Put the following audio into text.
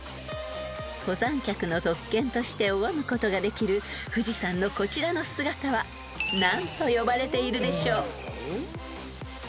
［登山客の特権として拝むことができる富士山のこちらの姿は何と呼ばれているでしょう？］